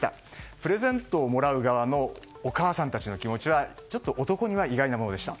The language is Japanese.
プレゼントをもらう側のお母さんたちの気持ちはちょっと男には意外なものでした。